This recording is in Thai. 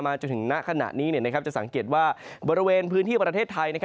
จนถึงณขณะนี้จะสังเกตว่าบริเวณพื้นที่ประเทศไทย